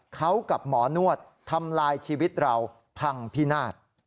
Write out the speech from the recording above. เขากับหมอนวดทำลายชีวิตเราพังพินาศ